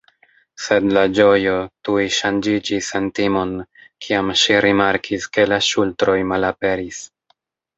Sed la ĝojo tuj ŝanĝiĝis en timon, kiam ŝi rimarkis ke la ŝultroj malaperis.